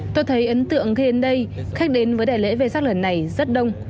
tôi thấy ấn tượng khiến đây khách đến với đại lễ vê sát lần này rất đông